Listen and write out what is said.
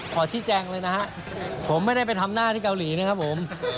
ขอชี้แจงเลยนะฮะผมไม่ได้ไปทำหน้าที่เกาหลีนะครับผม